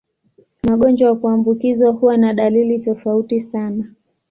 Magonjwa ya kuambukizwa huwa na dalili tofauti sana.